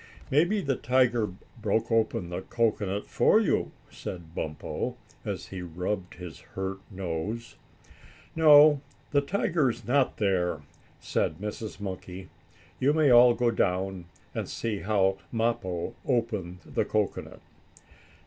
"Maybe the tiger broke open the cocoanut for you," said Bumpo, as he rubbed his hurt nose. "No, the tiger is not there," said Mrs. Monkey. "You may all go down and see how Mappo opened the cocoanut."